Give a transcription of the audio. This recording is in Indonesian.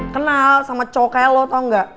kenal sama cokel lo tau ga